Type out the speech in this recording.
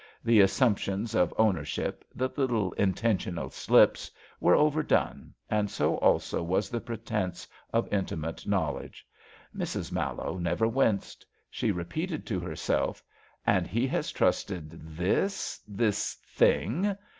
The assumptions of owner ship, the little intentional slips, were overdone, and so also was the pretence of intimate knowl edge. Mrs. Mallowe never winced. She repeated to herself: '' And he has trusted this — ^this Thing.